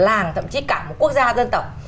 làng thậm chí cả một quốc gia dân tộc